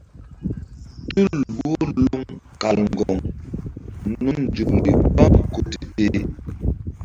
Tul wo loŋ kal ŋgoŋ nun nzukri gbam ko te-teh.